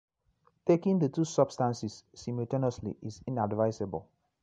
Taking the two substances simultaneously is inadvisable.